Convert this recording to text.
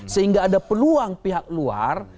sehingga ada peluang pihak luar